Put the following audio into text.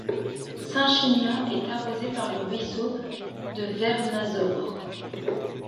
Saint-Chinian est arrosé par le ruisseau de Vernazobres.